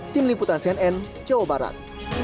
tim liputan cnn jawa barat